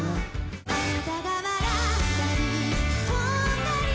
「あなたが笑ったり飛んだり」